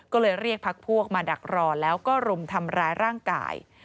ก็เลยเรียกพักพวกมาดักรอแล้วก็รุมทำร้ายร่างกาย